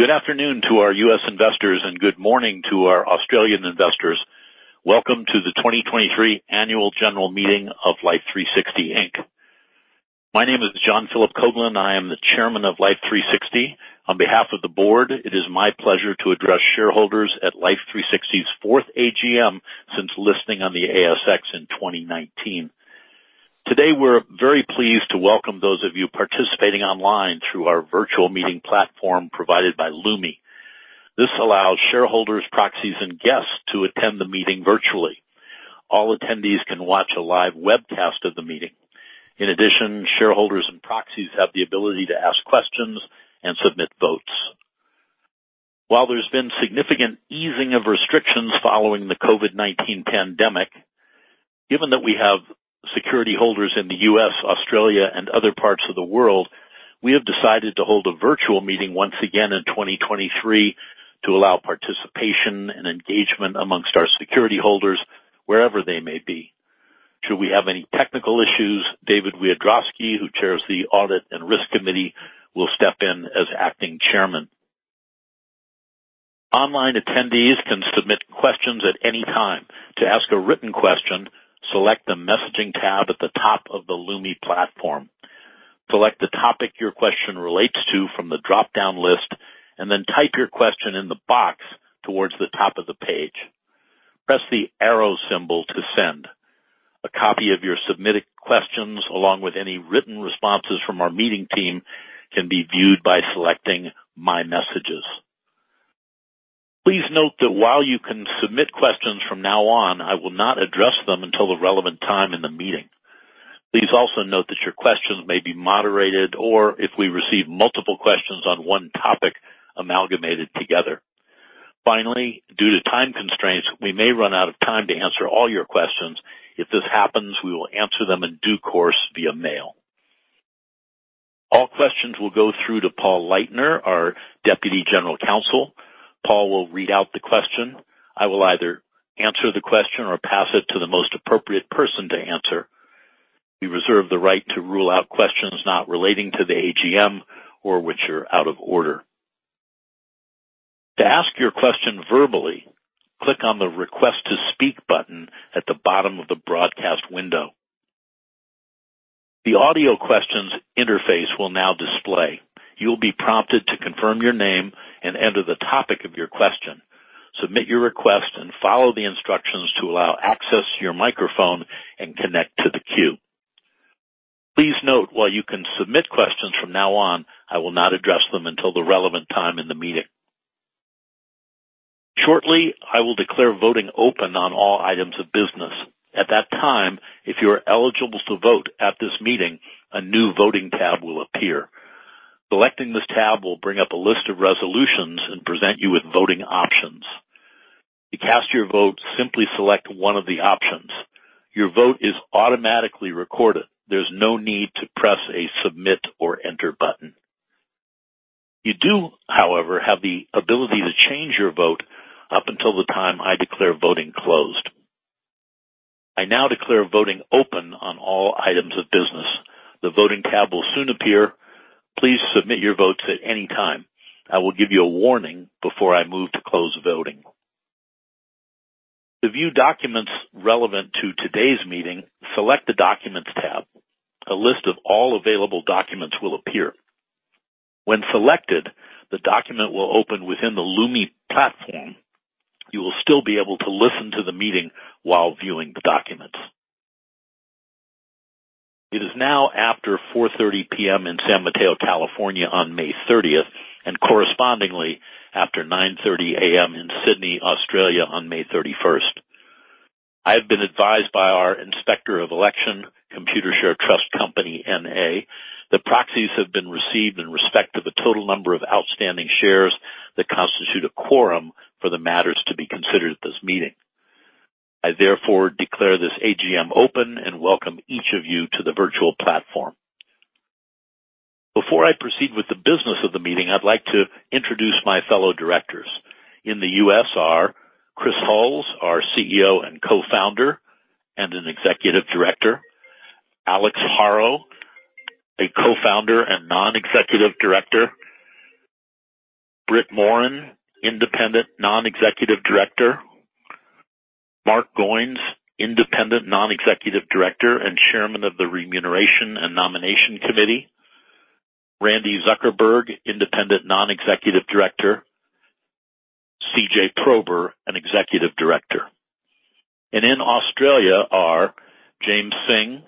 Good afternoon to our U.S. investors, and good morning to our Australian investors. Welcome to the 2023 Annual General Meeting of Life360, Inc. My name is John Philip Coghlan, I am the Chairman of Life360. On behalf of the Board, it is my pleasure to address shareholders at Life360's 4th AGM since listing on the ASX in 2019. Today, we're very pleased to welcome those of you participating online through our virtual meeting platform provided by Lumi. This allows shareholders, proxies, and guests to attend the meeting virtually. All attendees can watch a live webcast of the meeting. In addition, shareholders and proxies have the ability to ask questions and submit votes. While there's been significant easing of restrictions following the COVID-19 pandemic, given that we have security holders in the U.S., Australia, and other parts of the world, we have decided to hold a virtual meeting once again in 2023 to allow participation and engagement amongst our security holders, wherever they may be. Should we have any technical issues, David Wiadrowski, who chairs the Audit and Risk Committee, will step in as acting chairman. Online attendees can submit questions at any time. To ask a written question, select the messaging tab at the top of the Lumi platform. Select the topic your question relates to from the dropdown list, and then type your question in the box towards the top of the page. Press the arrow symbol to send. A copy of your submitted questions, along with any written responses from our meeting team, can be viewed by selecting My Messages. Please note that while you can submit questions from now on, I will not address them until the relevant time in the meeting. Please also note that your questions may be moderated or if we receive multiple questions on one topic, amalgamated together. Finally, due to time constraints, we may run out of time to answer all your questions. If this happens, we will answer them in due course via mail. All questions will go through to Paul Leitner, our Deputy General Counsel. Paul will read out the question. I will either answer the question or pass it to the most appropriate person to answer. We reserve the right to rule out questions not relating to the AGM or which are out of order. To ask your question verbally, click on the Request to Speak button at the bottom of the broadcast window. The audio questions interface will now display. You will be prompted to confirm your name and enter the topic of your question. Submit your request and follow the instructions to allow access to your microphone and connect to the queue. Please note, while you can submit questions from now on, I will not address them until the relevant time in the meeting. Shortly, I will declare voting open on all items of business. At that time, if you are eligible to vote at this meeting, a new voting tab will appear. Selecting this tab will bring up a list of resolutions and present you with voting options. To cast your vote, simply select one of the options. Your vote is automatically recorded. There's no need to press a submit or enter button. You do, however, have the ability to change your vote up until the time I declare voting closed. I now declare voting open on all items of business. The voting tab will soon appear. Please submit your votes at any time. I will give you a warning before I move to close voting. To view documents relevant to today's meeting, select the Documents tab. A list of all available documents will appear. When selected, the document will open within the Lumi platform. You will still be able to listen to the meeting while viewing the documents. It is now after 4:30 P.M. in San Mateo, California, on May 30th, and correspondingly after 9:30 A.M. in Sydney, Australia, on May 31st. I have been advised by our Inspector of Election, Computershare Trust Company, N.A., that proxies have been received in respect to the total number of outstanding shares that constitute a quorum for the matters to be considered at this meeting. I therefore declare this AGM open and welcome each of you to the virtual platform. Before I proceed with the business of the meeting, I'd like to introduce my fellow directors. In the U.S. are Chris Hulls, our CEO and Co-Founder, and an Executive Director. Alex Haro, a Co-Founder and Non-Executive Director. Brit Morin, Independent Non-Executive Director. Mark Goines, Independent Non-Executive Director and Chairman of the Remuneration and Nomination Committee. Randi Zuckerberg, Independent Non-Executive Director. CJ Prober, an Executive Director. In Australia are James Synge,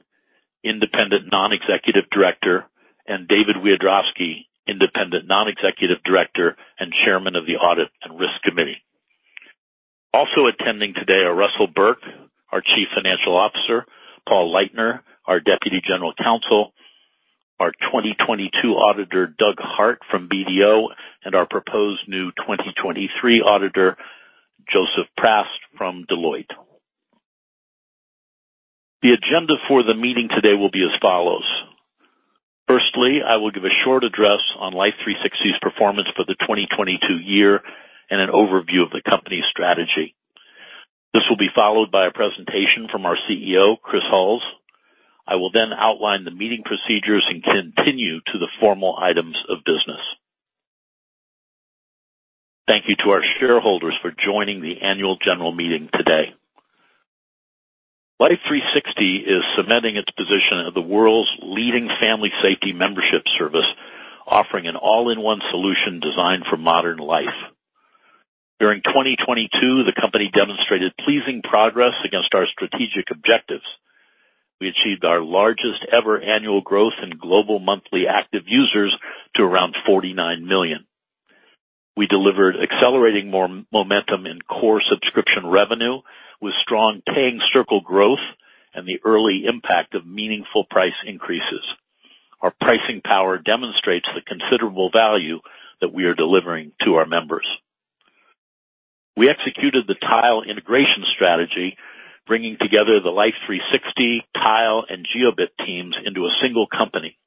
Independent Non-Executive Director, and David Wiadrowski, Independent Non-Executive Director and Chairman of the Audit and Risk Committee. Also attending today are Russell Burke, our Chief Financial Officer, Paul Leitner, our Deputy General Counsel, our 2022 auditor, Doug Hart from BDO, and our proposed new 2023 auditor, Joseph Prast from Deloitte. The agenda for the meeting today will be as follows: firstly, I will give a short address on Life360's performance for the 2022 year and an overview of the company's strategy. This will be followed by a presentation from our CEO, Chris Hulls. I will then outline the meeting procedures and continue to the formal items of business. Thank you to our shareholders for joining the annual general meeting today. Life360 is cementing its position as the world's leading family safety membership service, offering an all-in-one solution designed for modern life. During 2022, the company demonstrated pleasing progress against our strategic objectives. We achieved our largest ever annual growth in global monthly active users to around 49 million. We delivered accelerating momentum in core subscription revenue, with strong paying circle growth and the early impact of meaningful price increases. Our pricing power demonstrates the considerable value that we are delivering to our members. We executed the Tile integration strategy, bringing together the Life360, Tile, and Jiobit teams into a single company.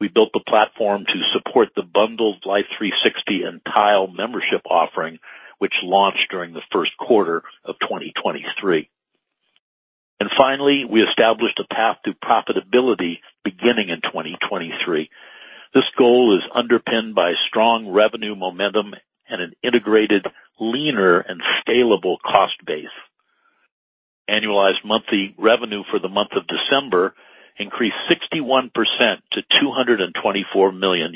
We built the platform to support the bundled Life360 and Tile membership offering, which launched during the first quarter of 2023. Finally, we established a path to profitability beginning in 2023. This goal is underpinned by strong revenue momentum and an integrated, leaner, and scalable cost base. Annualized monthly revenue for the month of December increased 61% to $224 million,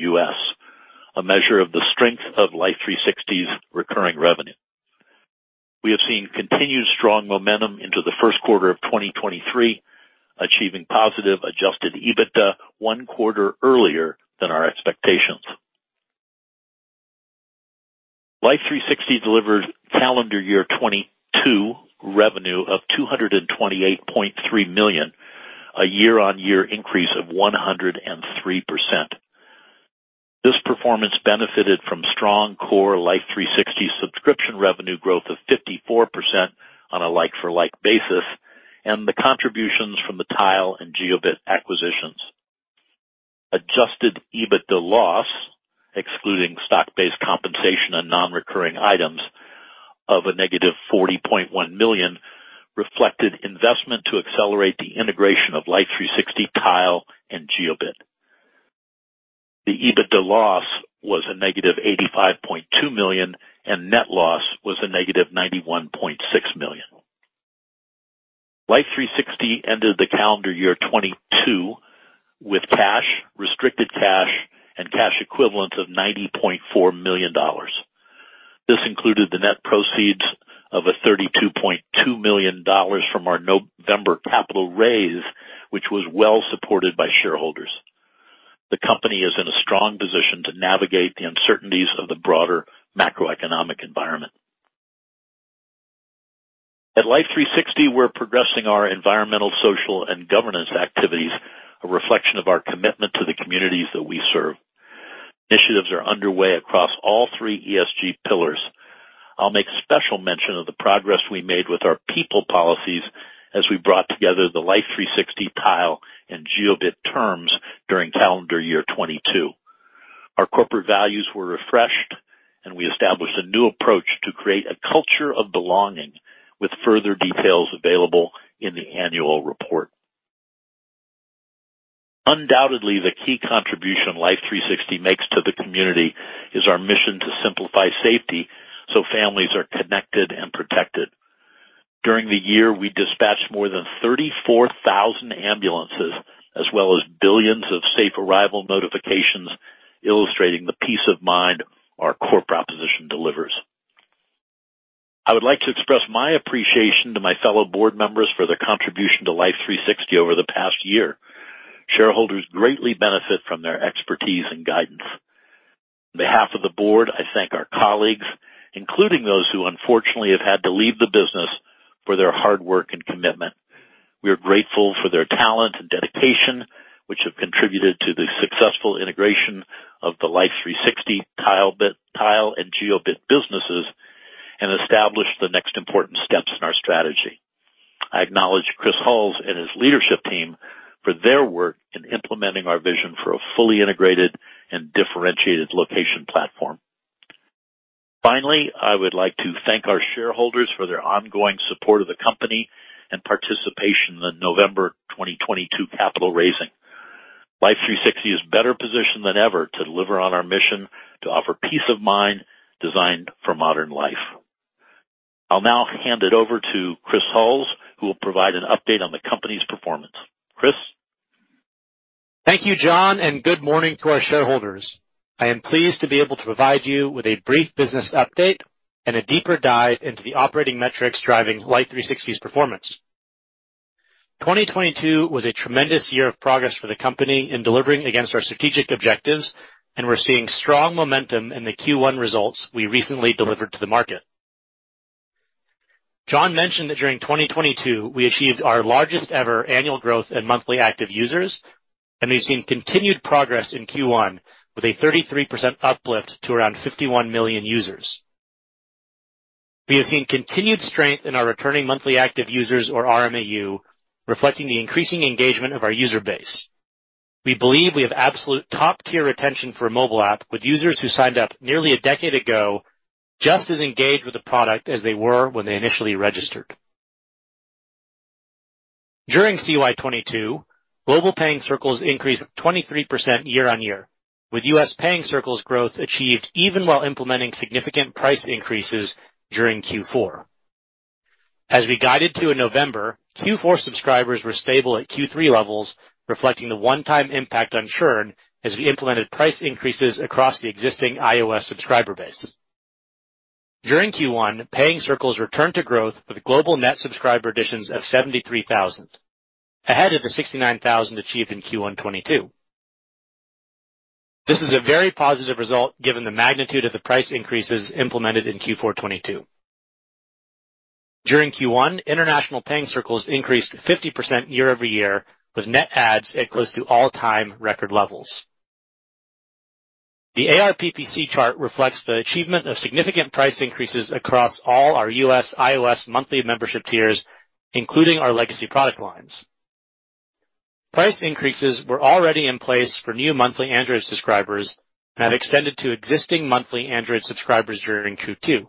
a measure of the strength of Life360's recurring revenue. We have seen continued strong momentum into the first quarter of 2023, achieving positive adjusted EBITDA one quarter earlier than our expectations. Life360 delivered calendar year 2022 revenue of $228.3 million, a year-on-year increase of 103%. This performance benefited from strong core Life360 subscription revenue growth of 54% on a like-for-like basis, and the contributions from the Tile and Jiobit acquisitions. Adjusted EBITDA loss, excluding stock-based compensation and non-recurring items of a -$40.1 million, reflected investment to accelerate the integration of Life360, Tile, and Jiobit. The EBITDA loss was a -$85.2 million, and net loss was a -$91.6 million. Life360 ended the calendar year 2022 with cash, restricted cash, and cash equivalents of $90.4 million. This included the net proceeds of $32.2 million from our November capital raise, which was well supported by shareholders. The company is in a strong position to navigate the uncertainties of the broader macroeconomic environment. At Life360, we're progressing our environmental, social, and governance activities, a reflection of our commitment to the communities that we serve. Initiatives are underway across all three ESG pillars. I'll make special mention of the progress we made with our people policies as we brought together the Life360, Tile, and Jiobit terms during calendar year 2022. Our corporate values were refreshed, and we established a new approach to create a culture of belonging, with further details available in the annual report. Undoubtedly, the key contribution Life360 makes to the community is our mission to simplify safety so families are connected and protected. During the year, we dispatched more than 34,000 ambulances, as well as billions of safe arrival notifications, illustrating the peace of mind our core proposition delivers. I would like to express my appreciation to my fellow board members for their contribution to Life360 over the past year. Shareholders greatly benefit from their expertise and guidance. On behalf of the Board, I thank our colleagues, including those who, unfortunately, have had to leave the business, for their hard work and commitment. We are grateful for their talent and dedication, which have contributed to the successful integration of the Life360, Tile, and Jiobit businesses, and established the next important steps in our strategy. I acknowledge Chris Hulls and his leadership team for their work in implementing our vision for a fully integrated and differentiated location platform. Finally, I would like to thank our shareholders for their ongoing support of the company and participation in the November 2022 capital raising. Life360 is better positioned than ever to deliver on our mission to offer peace of mind designed for modern life. I'll now hand it over to Chris Hulls, who will provide an update on the company's performance. Chris? Thank you, John, and good morning to our shareholders. I am pleased to be able to provide you with a brief business update and a deeper dive into the operating metrics driving Life360's performance. 2022 was a tremendous year of progress for the company in delivering against our strategic objectives, and we're seeing strong momentum in the Q1 results we recently delivered to the market. John mentioned that during 2022, we achieved our largest ever annual growth in monthly active users, and we've seen continued progress in Q1 with a 33% uplift to around 51 million users. We have seen continued strength in our returning monthly active users, or RMAU, reflecting the increasing engagement of our user base.... We believe we have absolute top-tier retention for a mobile app, with users who signed up nearly a decade ago, just as engaged with the product as they were when they initially registered. During CY 2022, global paying circles increased 23% year-on-year, with U.S. paying circles growth achieved even while implementing significant price increases during Q4. As we guided to in November, Q4 subscribers were stable at Q3 levels, reflecting the one-time impact on churn as we implemented price increases across the existing iOS subscriber base. During Q1, paying circles returned to growth, with global net subscriber additions of 73,000, ahead of the 69,000 achieved in Q1 2022. This is a very positive result, given the magnitude of the price increases implemented in Q4 2022. During Q1, international paying circles increased 50% year-over-year, with net adds at close to all-time record levels. The ARPPC chart reflects the achievement of significant price increases across all our U.S. iOS monthly membership tiers, including our legacy product lines. Price increases were already in place for new monthly Android subscribers and have extended to existing monthly Android subscribers during Q2.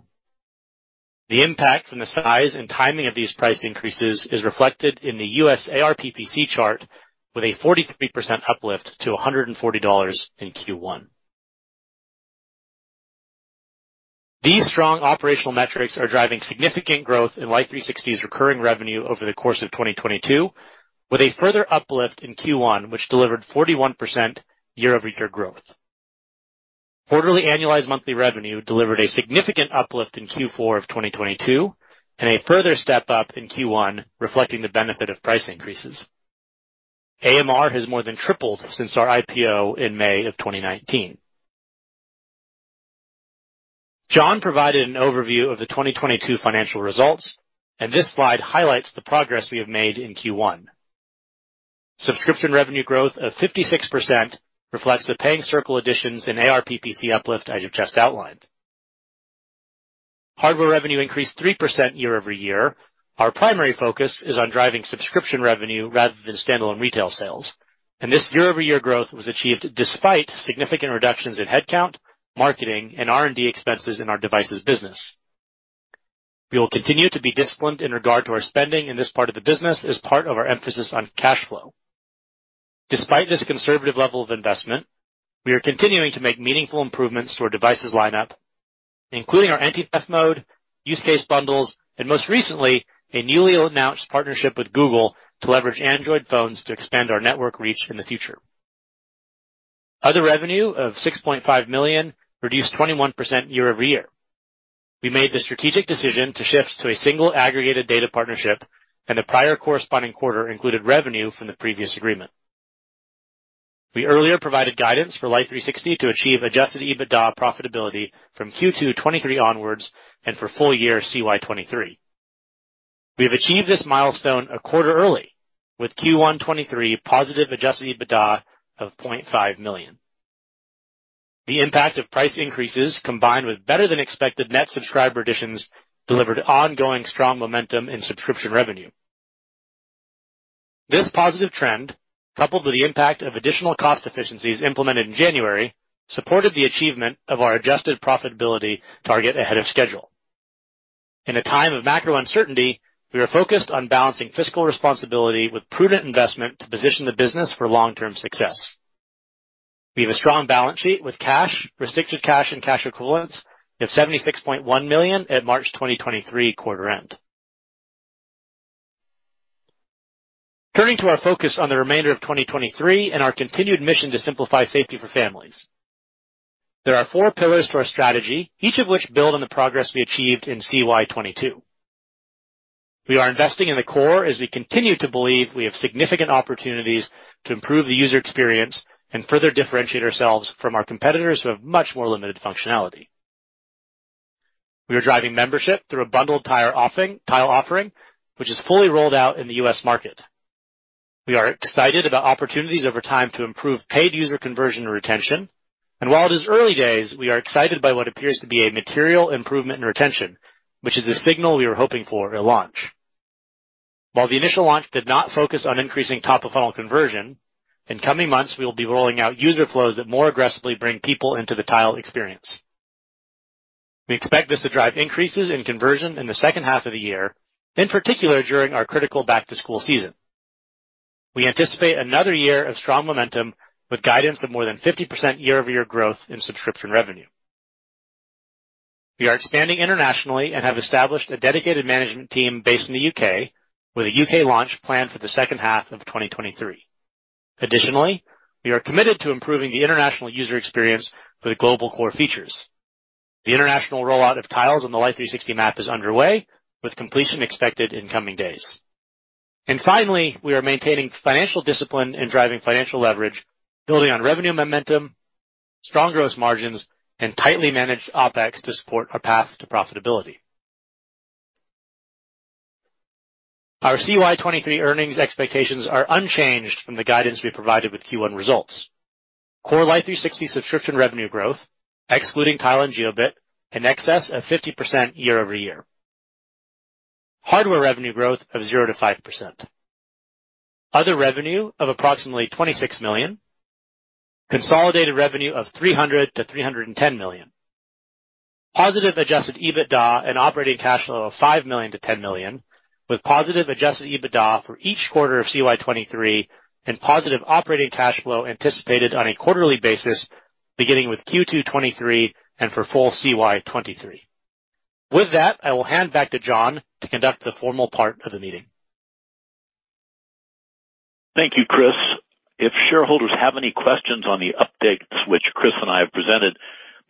The impact from the size and timing of these price increases is reflected in the U.S. ARPPC chart, with a 43% uplift to $140 in Q1. These strong operational metrics are driving significant growth in Life360's recurring revenue over the course of 2022, with a further uplift in Q1, which delivered 41% year-over-year growth. Quarterly annualized monthly revenue delivered a significant uplift in Q4 of 2022, and a further step up in Q1, reflecting the benefit of price increases. AMR has more than tripled since our IPO in May of 2019. John provided an overview of the 2022 financial results, and this slide highlights the progress we have made in Q1. Subscription revenue growth of 56% reflects the paying circle additions and ARPPC uplift, as I've just outlined. Hardware revenue increased 3% year-over-year. Our primary focus is on driving subscription revenue rather than standalone retail sales, and this year-over-year growth was achieved despite significant reductions in headcount, marketing, and R&D expenses in our devices business. We will continue to be disciplined in regard to our spending in this part of the business as part of our emphasis on cash flow. Despite this conservative level of investment, we are continuing to make meaningful improvements to our devices lineup, including our anti-theft mode, use case bundles, and most recently, a newly announced partnership with Google to leverage Android phones to expand our network reach in the future. Other revenue of $6.5 million reduced 21% year-over-year. We made the strategic decision to shift to a single aggregated data partnership, and the prior corresponding quarter included revenue from the previous agreement. We earlier provided guidance for Life360 to achieve adjusted EBITDA profitability from Q2 2023 onwards and for full year CY 2023. We have achieved this milestone a quarter early, with Q1 2023 positive adjusted EBITDA of $0.5 million. The impact of price increases, combined with better than expected net subscriber additions, delivered ongoing strong momentum in subscription revenue. This positive trend, coupled with the impact of additional cost efficiencies implemented in January, supported the achievement of our adjusted profitability target ahead of schedule. In a time of macro uncertainty, we are focused on balancing fiscal responsibility with prudent investment to position the business for long-term success. We have a strong balance sheet with cash, restricted cash, and cash equivalents of $76.1 million at March 2023 quarter end. Turning to our focus on the remainder of 2023 and our continued mission to simplify safety for families. There are four pillars to our strategy, each of which build on the progress we achieved in CY 2022. We are investing in the core as we continue to believe we have significant opportunities to improve the user experience and further differentiate ourselves from our competitors, who have much more limited functionality. We are driving membership through a bundled Tile offering, which is fully rolled out in the U.S. market. We are excited about opportunities over time to improve paid user conversion and retention, and while it is early days, we are excited by what appears to be a material improvement in retention, which is the signal we were hoping for at launch. While the initial launch did not focus on increasing top-of-funnel conversion, in coming months, we will be rolling out user flows that more aggressively bring people into the Tile experience. We expect this to drive increases in conversion in the second half of the year, in particular, during our critical back-to-school season. We anticipate another year of strong momentum, with guidance of more than 50% year-over-year growth in subscription revenue. We are expanding internationally and have established a dedicated management team based in the U.K., with a U.K. launch planned for the second half of 2023. Additionally, we are committed to improving the international user experience with global core features. The international rollout of Tile on the Life360 map is underway, with completion expected in coming days. Finally, we are maintaining financial discipline and driving financial leverage, building on revenue momentum, strong growth margins, and tightly managed OpEx to support our path to profitability. Our CY 2023 earnings expectations are unchanged from the guidance we provided with Q1 results. Core Life360 subscription revenue growth, excluding Tile and Jiobit, in excess of 50% year-over-year. Hardware revenue growth of 0%-5%. Other revenue of approximately $26 million. Consolidated revenue of $300 million-$310 million. Positive adjusted EBITDA and operating cash flow of $5 million-$10 million, with positive adjusted EBITDA for each quarter of CY 2023 and positive operating cash flow anticipated on a quarterly basis, beginning with Q2 2023 and for full CY 2023. With that, I will hand back to John to conduct the formal part of the meeting. Thank you, Chris. If shareholders have any questions on the updates which Chris and I have presented,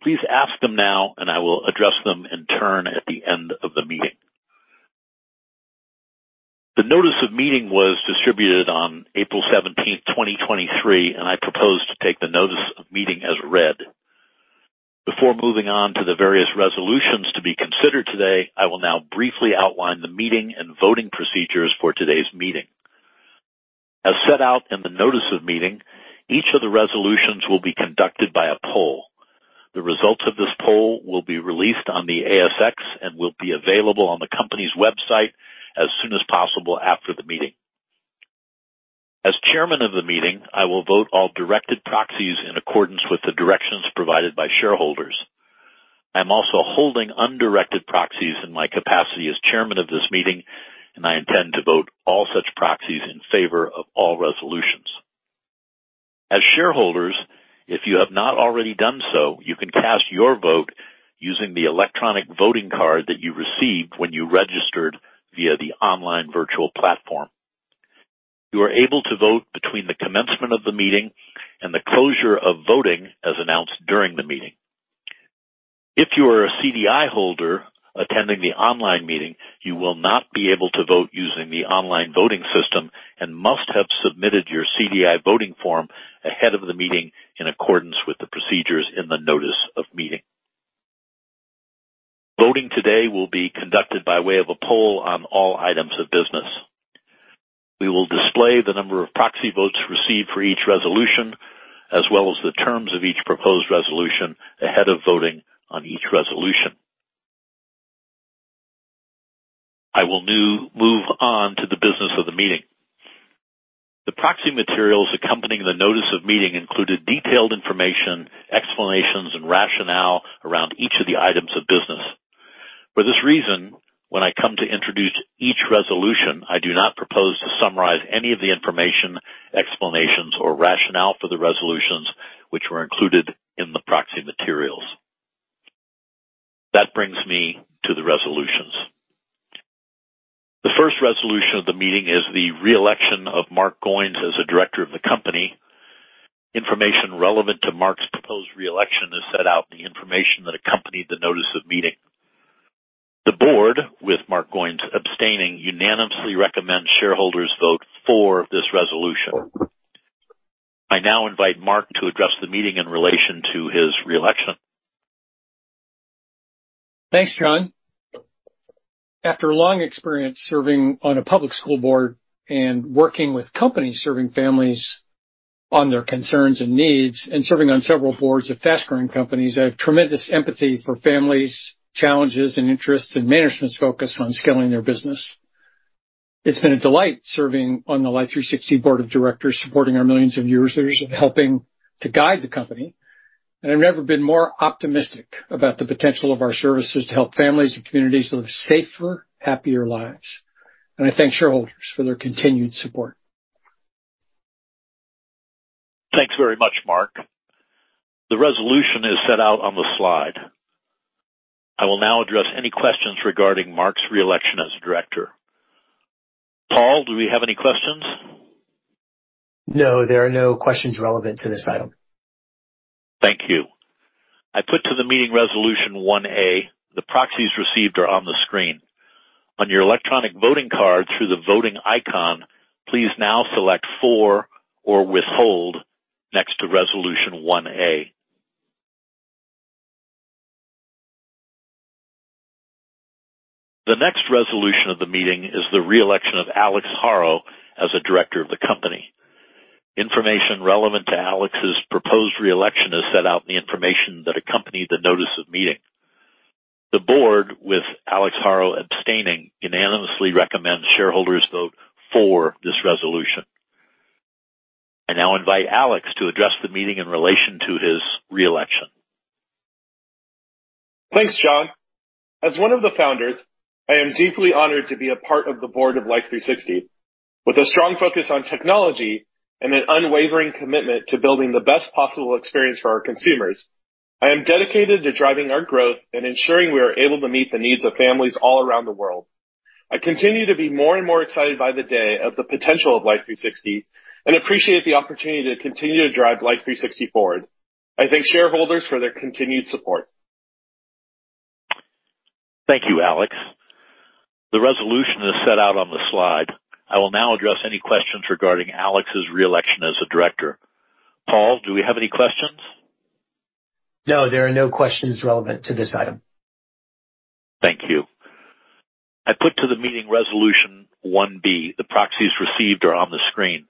please ask them now and I will address them in turn at the end of the meeting. The notice of meeting was distributed on April 17th, 2023, and I propose to take the notice of meeting as read. Before moving on to the various resolutions to be considered today, I will now briefly outline the meeting and voting procedures for today's meeting. As set out in the notice of meeting, each of the resolutions will be conducted by a poll. The results of this poll will be released on the ASX and will be available on the company's website as soon as possible after the meeting. As chairman of the meeting, I will vote all directed proxies in accordance with the directions provided by shareholders. I am also holding undirected proxies in my capacity as chairman of this meeting, and I intend to vote all such proxies in favor of all resolutions. As shareholders, if you have not already done so, you can cast your vote using the electronic voting card that you received when you registered via the online virtual platform. You are able to vote between the commencement of the meeting and the closure of voting as announced during the meeting. If you are a CDI holder attending the online meeting, you will not be able to vote using the online voting system and must have submitted your CDI voting form ahead of the meeting in accordance with the procedures in the notice of meeting. Voting today will be conducted by way of a poll on all items of business. We will display the number of proxy votes received for each resolution, as well as the terms of each proposed resolution ahead of voting on each resolution. I will move on to the business of the meeting. The proxy materials accompanying the notice of meeting included detailed information, explanations, and rationale around each of the items of business. For this reason, when I come to introduce each resolution, I do not propose to summarize any of the information, explanations, or rationale for the resolutions which were included in the proxy materials. That brings me to the resolutions. The first resolution of the meeting is the re-election of Mark Goines as a director of the company. Information relevant to Mark's proposed re-election is set out in the information that accompanied the notice of meeting. The Board, with Mark Goines abstaining, unanimously recommends shareholders vote for this resolution. I now invite Mark to address the meeting in relation to his re-election. Thanks, John. After a long experience serving on a public school board and working with companies serving families on their concerns and needs, and serving on several boards of fast-growing companies, I have tremendous empathy for families, challenges and interests, and management's focus on scaling their business. It's been a delight serving on the Life360 board of directors, supporting our millions of users and helping to guide the company, and I've never been more optimistic about the potential of our services to help families and communities live safer, happier lives. I thank shareholders for their continued support. Thanks very much, Mark. The resolution is set out on the slide. I will now address any questions regarding Mark's re-election as a director. Paul, do we have any questions? No, there are no questions relevant to this item. Thank you. I put to the meeting Resolution 1a. The proxies received are on the screen. On your electronic voting card through the voting icon, please now select For or Withhold next to Resolution 1a. The next resolution of the meeting is the re-election of Alex Haro as a director of the company. Information relevant to Alex's proposed re-election is set out in the information that accompanied the notice of meeting. The Board, with Alex Haro abstaining, unanimously recommends shareholders vote for this resolution. I now invite Alex to address the meeting in relation to his re-election. Thanks, John. As one of the founders, I am deeply honored to be a part of the Board of Life360. With a strong focus on technology and an unwavering commitment to building the best possible experience for our consumers, I am dedicated to driving our growth and ensuring we are able to meet the needs of families all around the world. I continue to be more and more excited by the day of the potential of Life360 and appreciate the opportunity to continue to drive Life360 forward. I thank shareholders for their continued support. Thank you, Alex. The resolution is set out on the slide. I will now address any questions regarding Alex's re-election as a director. Paul, do we have any questions? No, there are no questions relevant to this item. Thank you. I put to the meeting Resolution 1b. The proxies received are on the screen.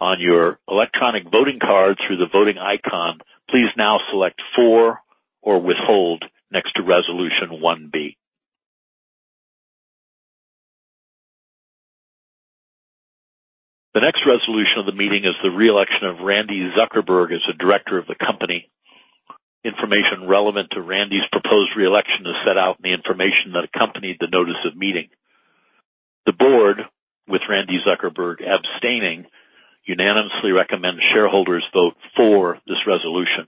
On your electronic voting card through the voting icon, please now select for or withhold next to Resolution 1b. The next resolution of the meeting is the re-election of Randi Zuckerberg as a director of the company. Information relevant to Randi's proposed re-election is set out in the information that accompanied the notice of meeting. The Board, with Randi Zuckerberg abstaining, unanimously recommend shareholders vote for this resolution.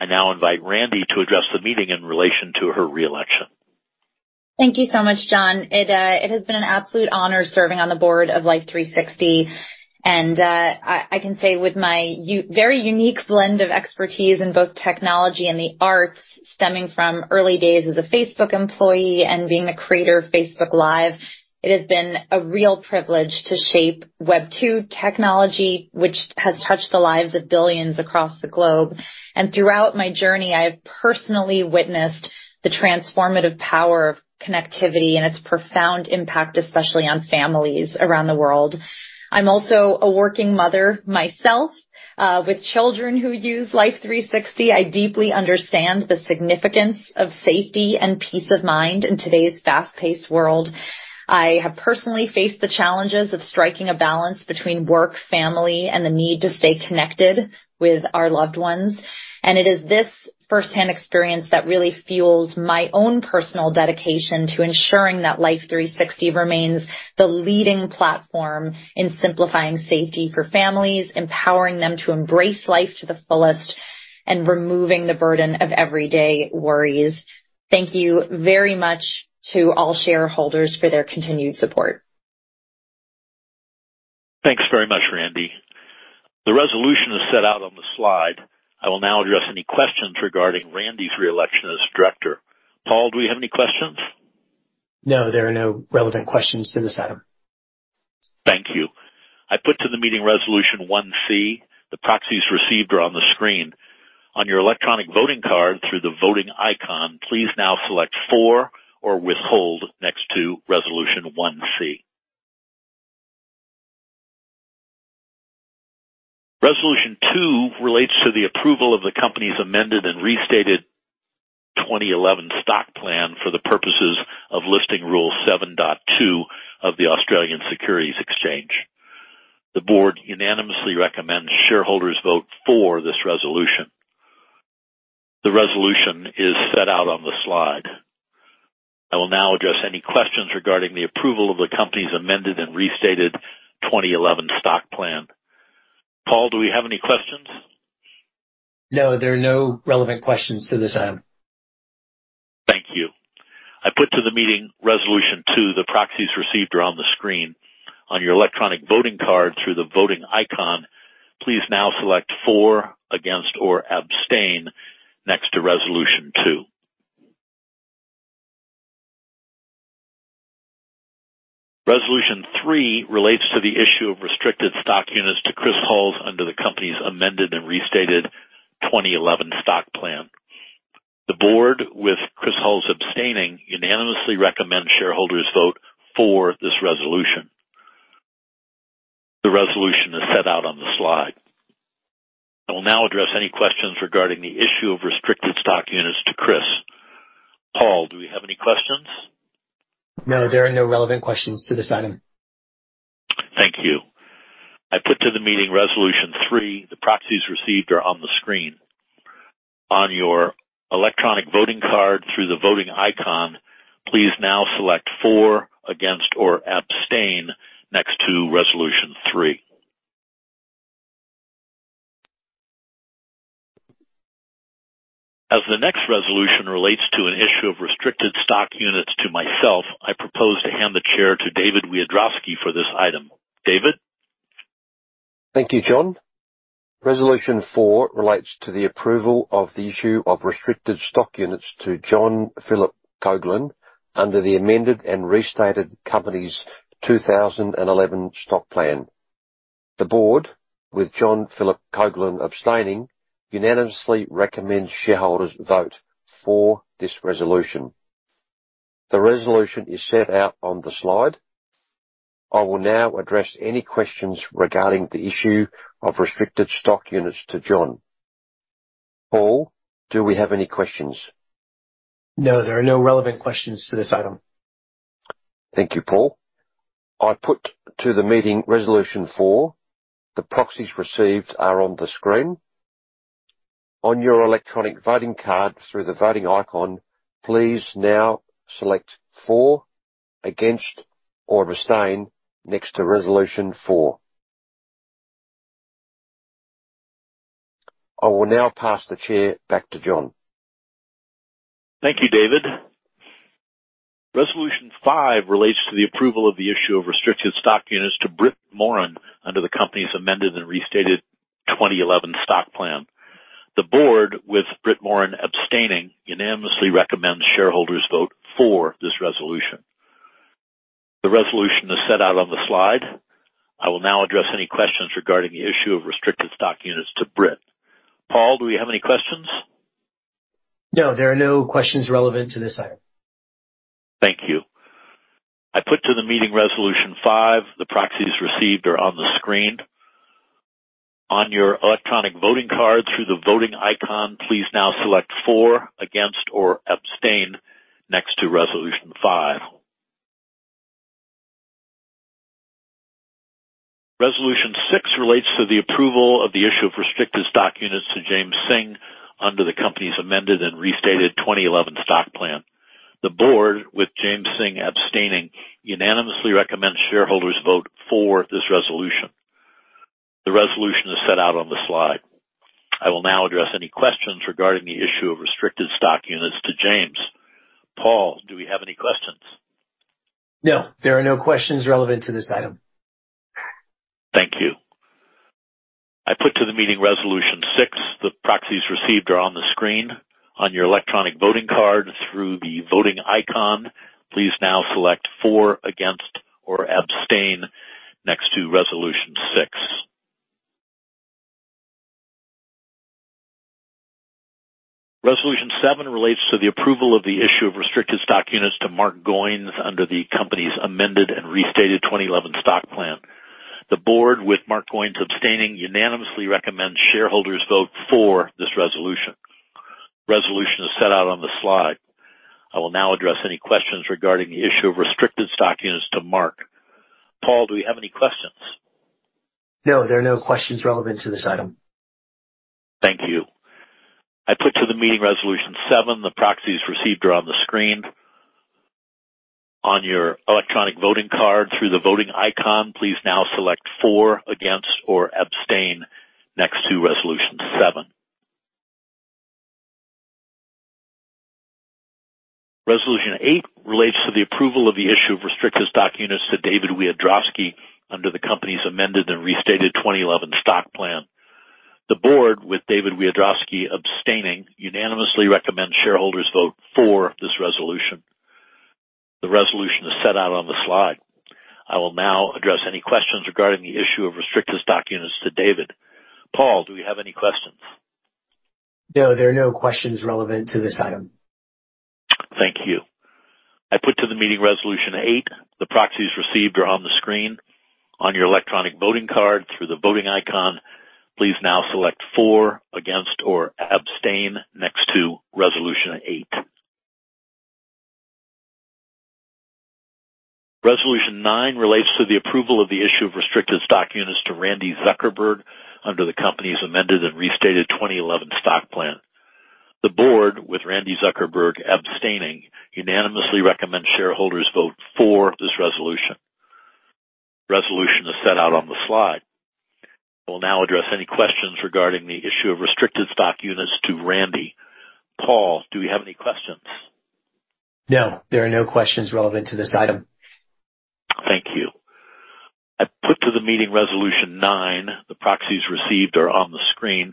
I now invite Randi to address the meeting in relation to her re-election. Thank you so much, John. It has been an absolute honor serving on the Board of Life360, and I can say with my very unique blend of expertise in both technology and the arts, stemming from early days as a Facebook employee and being the creator of Facebook Live, it has been a real privilege to shape Web 2.0 technology, which has touched the lives of billions across the globe. Throughout my journey, I've personally witnessed the transformative power of connectivity and its profound impact, especially on families around the world. I'm also a working mother myself with children who use Life360. I deeply understand the significance of safety and peace of mind in today's fast-paced world. I have personally faced the challenges of striking a balance between work, family, and the need to stay connected with our loved ones. It is this firsthand experience that really fuels my own personal dedication to ensuring that Life360 remains the leading platform in simplifying safety for families, empowering them to embrace life to the fullest, and removing the burden of everyday worries. Thank you very much to all shareholders for their continued support. Thanks very much, Randi. The resolution is set out on the slide. I will now address any questions regarding Randi's re-election as director. Paul, do we have any questions? No, there are no relevant questions to this item. Thank you. I put to the meeting Resolution 1c. The proxies received are on the screen. On your electronic voting card through the voting icon, please now select for or withhold next to Resolution 1c. Resolution 2 relates to the approval of the company's Amended and Restated 2011 Stock Plan for the purposes of Listing Rule 7.2 of the Australian Securities Exchange. The Board unanimously recommends shareholders vote for this resolution. The resolution is set out on the slide. I will now address any questions regarding the approval of the company's Amended and Restated 2011 Stock Plan. Paul, do we have any questions? No, there are no relevant questions to this item. Thank you. I put to the meeting Resolution 2. The proxies received are on the screen. On your electronic voting card through the voting icon, please now select for, against, or abstain next to Resolution 2. Resolution 3 relates to the issue of restricted stock units to Chris Hulls under the company's Amended and Restated 2011 Stock Plan. The Board, with Chris Hulls abstaining, unanimously recommend shareholders vote for this resolution. The resolution is set out on the slide. I will now address any questions regarding the issue of restricted stock units to Chris. Paul, do we have any questions? No, there are no relevant questions to this item. Thank you. I put to the meeting Resolution 3. The proxies received are on the screen. On your electronic voting card through the voting icon, please now select for, against, or abstain next to Resolution 3. As the next resolution relates to an issue of restricted stock units to myself, I propose to hand the chair to David Wiadrowski for this item. David? Thank you, John. Resolution 4 relates to the approval of the issue of restricted stock units to John Philip Coghlan under the Amended and Restated Company's 2011 Stock Plan. The Board, with John Philip Coghlan abstaining, unanimously recommends shareholders vote for this resolution. The resolution is set out on the slide. I will now address any questions regarding the issue of restricted stock units to John. Paul, do we have any questions? No, there are no relevant questions to this item. Thank you, Paul. I put to the meeting Resolution 4. The proxies received are on the screen. On your electronic voting card through the voting icon, please now select for, against, or abstain next to Resolution 4. I will now pass the chair back to John. Thank you, David. Resolution five relates to the approval of the issue of restricted stock units to Brit Morin under the company's Amended and Restated 2011 Stock Plan. The Board, with Brit Morin abstaining, unanimously recommends shareholders vote for this resolution. The resolution is set out on the slide. I will now address any questions regarding the issue of restricted stock units to Brit. Paul, do we have any questions? No, there are no questions relevant to this item. Thank you. I put to the meeting Resolution 5. The proxies received are on the screen. On your electronic voting card, through the voting icon, please now select for, against, or abstain next to Resolution 5. Resolution 6 relates to the approval of the issue of restricted stock units to James Synge under the company's Amended and Restated 2011 Stock Plan. The Board, with James Synge abstaining, unanimously recommends shareholders vote for this resolution. The resolution is set out on the slide. I will now address any questions regarding the issue of restricted stock units to James. Paul, do we have any questions? No, there are no questions relevant to this item. Thank you. I put to the meeting Resolution 6. The proxies received are on the screen. On your electronic voting card, through the voting icon, please now select for, against, or abstain next to Resolution 6. Resolution 7 relates to the approval of the issue of restricted stock units to Mark Goines under the company's Amended and Restated 2011 Stock Plan. The Board, with Mark Goines abstaining, unanimously recommends shareholders vote for this resolution. Resolution is set out on the slide. I will now address any questions regarding the issue of restricted stock units to Mark. Paul, do we have any questions? No, there are no questions relevant to this item. Thank you. I put to the meeting Resolution 7. The proxies received are on the screen. On your electronic voting card, through the voting icon, please now select for, against, or abstain next to Resolution 7. Resolution 8 relates to the approval of the issue of restricted stock units to David Wiadrowski under the company's Amended and Restated 2011 Stock Plan. The Board, with David Wiadrowski abstaining, unanimously recommends shareholders vote for this resolution. The resolution is set out on the slide. I will now address any questions regarding the issue of restricted stock units to David. Paul, do we have any questions? No, there are no questions relevant to this item. Thank you. I put to the meeting Resolution 8. The proxies received are on the screen. On your electronic voting card, through the voting icon, please now select for, against, or abstain next to Resolution 8. Resolution 9 relates to the approval of the issue of restricted stock units to Randi Zuckerberg under the company's Amended and Restated 2011 Stock Plan. The Board, with Randi Zuckerberg abstaining, unanimously recommends shareholders vote for this resolution. Resolution is set out on the slide. I will now address any questions regarding the issue of restricted stock units to Randi. Paul, do we have any questions? No, there are no questions relevant to this item. Thank you. I put to the meeting Resolution 9. The proxies received are on the screen.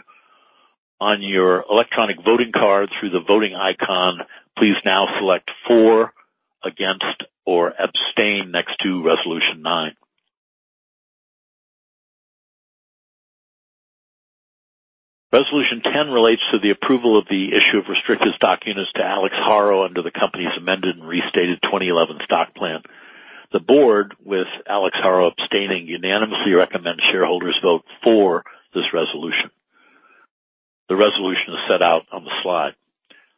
On your electronic voting card, through the voting icon, please now select for, against, or abstain next to Resolution 9. Resolution 10 relates to the approval of the issue of restricted stock units to Alex Haro under the company's Amended and Restated 2011 Stock Plan. The Board, with Alex Haro abstaining, unanimously recommends shareholders vote for this resolution. The resolution is set out on the slide.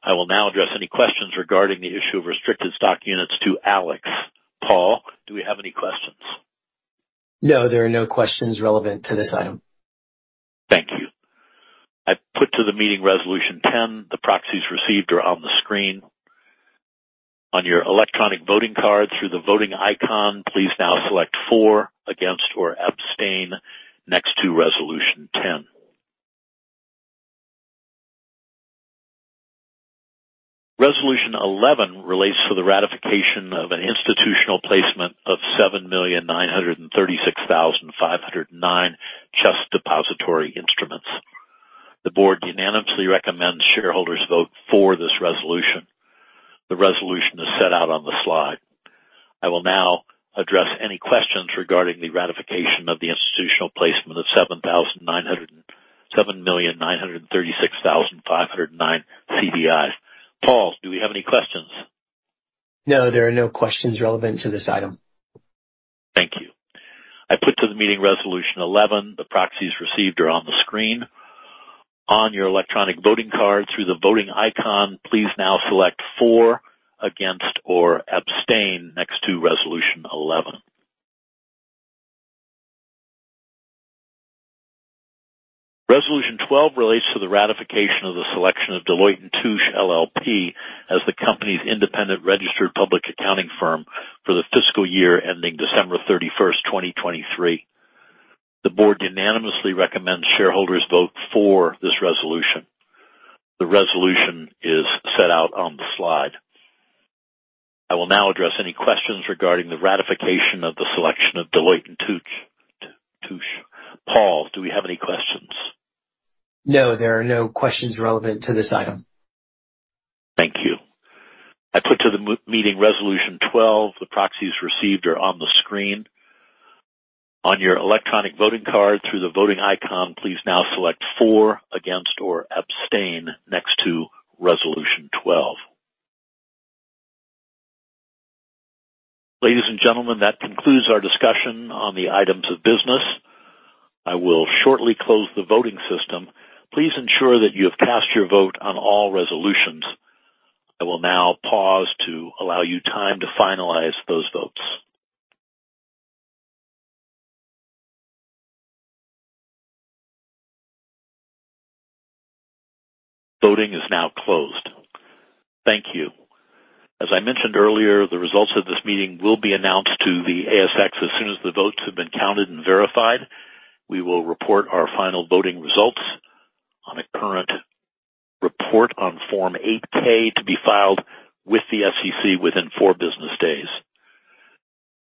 I will now address any questions regarding the issue of restricted stock units to Alex. Paul, do we have any questions? No, there are no questions relevant to this item. Thank you. I put to the meeting Resolution 10. The proxies received are on the screen. On your electronic voting card, through the voting icon, please now select for, against, or abstain next to Resolution 10. Resolution 11 relates to the ratification of an institutional placement of 7,936,509 CHESS Depositary Interests. The Board unanimously recommends shareholders vote for this resolution. The resolution is set out on the slide. I will now address any questions regarding the ratification of the institutional placement of 7,936,509 CDIs. Paul, do we have any questions? No, there are no questions relevant to this item. Thank you. I put to the meeting Resolution 11. The proxies received are on the screen. On your electronic voting card, through the voting icon, please now select for, against, or abstain next to Resolution 11. Resolution 12 relates to the ratification of the selection of Deloitte & Touche LLP as the company's independent registered public accounting firm for the fiscal year ending December 31st, 2023. The Board unanimously recommends shareholders vote for this resolution. The resolution is set out on the slide. I will now address any questions regarding the ratification of the selection of Deloitte & Touche. Paul, do we have any questions? No, there are no questions relevant to this item. Thank you. The meeting Resolution 12, the proxies received are on the screen. On your electronic voting card, through the voting icon, please now select for, against, or abstain next to Resolution 12. Ladies and gentlemen, that concludes our discussion on the items of business. I will shortly close the voting system. Please ensure that you have cast your vote on all resolutions. I will now pause to allow you time to finalize those votes. Voting is now closed. Thank you. As I mentioned earlier, the results of this meeting will be announced to the ASX as soon as the votes have been counted and verified. We will report our final voting results on a current report on Form 8-K, to be filed with the SEC within four business days.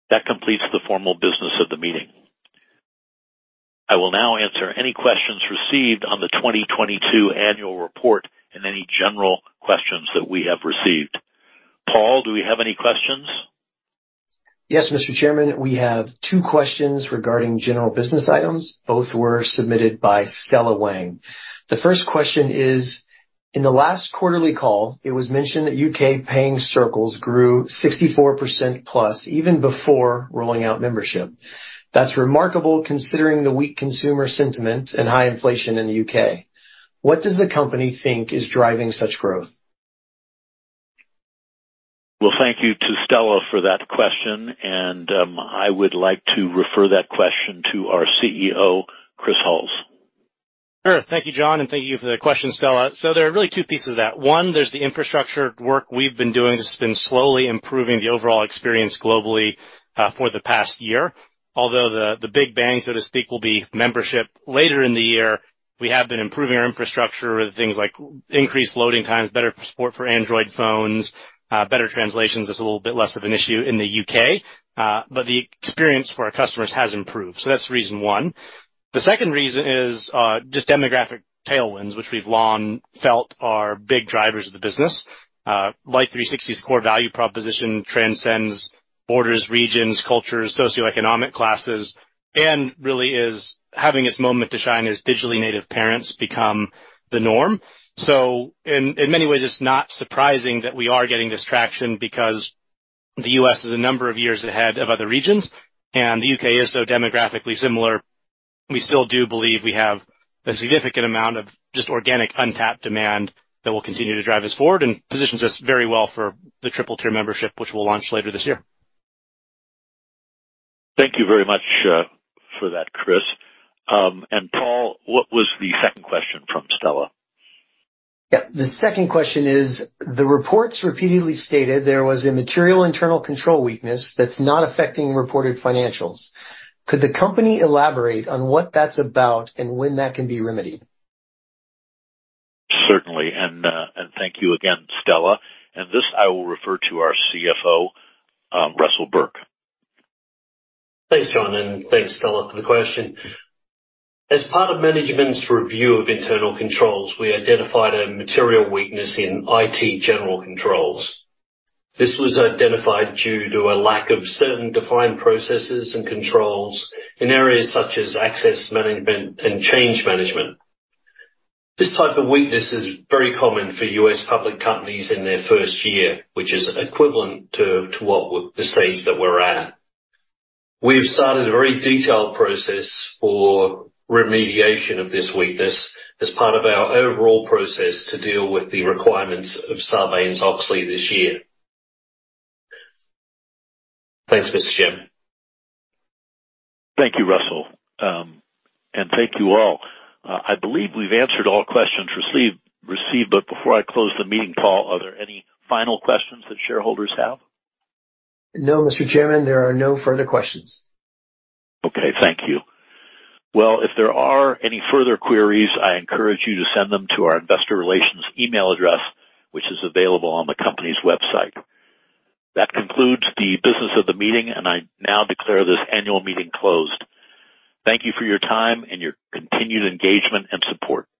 That completes the formal business of the meeting. I will now answer any questions received on the 2022 annual report and any general questions that we have received. Paul, do we have any questions? Yes, Mr. Chairman. We have two questions regarding general business items. Both were submitted by Stella Wang. The first question is: In the last quarterly call, it was mentioned that U.K. paying circles grew 64%+, even before rolling out membership. That's remarkable considering the weak consumer sentiment and high inflation in the U.K. What does the company think is driving such growth? Thank you to Stella for that question, and I would like to refer that question to our CEO, Chris Hulls. Sure. Thank you, John, and thank you for the question, Stella. There are really two pieces to that. One, there's the infrastructure work we've been doing that's been slowly improving the overall experience globally for the past year. Although the big bang, so to speak, will be membership later in the year, we have been improving our infrastructure with things like increased loading times, better support for Android phones, better translations. It's a little bit less of an issue in the U.K., but the experience for our customers has improved. That's reason one. The second reason is just demographic tailwinds, which we've long felt are big drivers of the business. Life360's core value proposition transcends borders, regions, cultures, socioeconomic classes, and really is having its moment to shine as digitally native parents become the norm. In many ways, it's not surprising that we are getting this traction because the U.S. is a number of years ahead of other regions, and the U.K. is so demographically similar. We still do believe we have a significant amount of just organic, untapped demand that will continue to drive us forward and positions us very well for the triple tier membership, which we'll launch later this year. Thank you very much, for that, Chris. Paul, what was the second question from Stella? Yep. The second question is: The reports repeatedly stated there was a material internal control weakness that's not affecting reported financials. Could the company elaborate on what that's about and when that can be remedied? Certainly, and thank you again, Stella. This I will refer to our CFO, Russell Burke. Thanks, John, and thanks, Stella, for the question. As part of management's review of internal controls, we identified a material weakness in IT general controls. This was identified due to a lack of certain defined processes and controls in areas such as access management and change management. This type of weakness is very common for U.S. public companies in their first year, which is equivalent to the stage that we're at. We've started a very detailed process for remediation of this weakness as part of our overall process to deal with the requirements of Sarbanes-Oxley this year. Thanks, Mr. Chairman. Thank you, Russell, and thank you all. I believe we've answered all questions received, but before I close the meeting, Paul, are there any final questions that shareholders have? No, Mr. Chairman, there are no further questions. Okay. Thank you. Well, if there are any further queries, I encourage you to send them to our investor relations email address, which is available on the company's website. That concludes the business of the meeting, and I now declare this annual meeting closed. Thank you for your time and your continued engagement and support.